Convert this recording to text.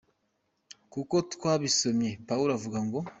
Nkuko twabisomye Pawulo avuga ngo: “….